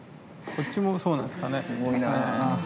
こっちもそうなんですかね。